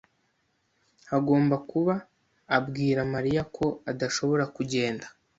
Hagomba kuba abwira Mariya ko adashobora kugenda.